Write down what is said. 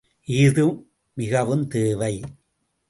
இஃதும் மிகவும் தேவை.